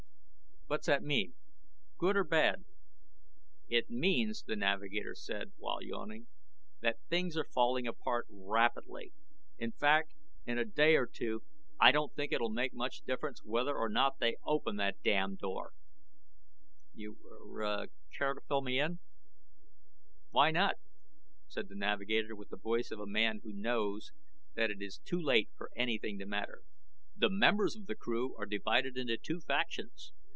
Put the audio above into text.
"What's that mean? Good or bad?" "It means," the navigator said, while yawning, "that things are falling apart rapidly. In fact, in a day or two I don't think it'll make much difference whether or not they open that damn door." "You, er, care to fill me in?" "Why not?" said the navigator, with the voice of a man who knows that it is too late for anything to matter. "The members of the crew are divided into two factions.